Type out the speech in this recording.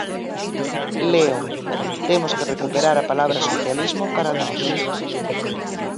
Leo: Temos que recuperar a palabra socialismo para nós.